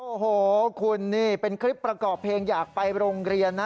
โอ้โหคุณนี่เป็นคลิปประกอบเพลงอยากไปโรงเรียนนะ